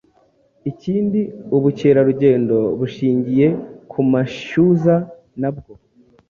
ikindi Ubucyera rugendo bushingiye ku mashyuza nabwo